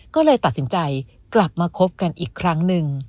ก็เลยตัดสินใจกลับมาคบกันอีกครั้งหนึ่ง